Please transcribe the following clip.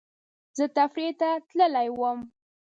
زه تفریح ته تللی وم